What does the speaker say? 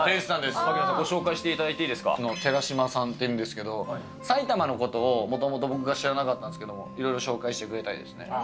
槙野さん、ご紹介していただ寺島さんというんですけど、埼玉のことをもともと僕は知らなかったんですけど、いろいろ紹介してくれたりですね。